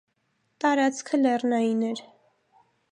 Տարաքծը լեռնային էր։